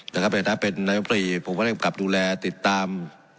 แต่ถ้าเป็นน้องตรีผมก็ได้กลับดูแลติดตาม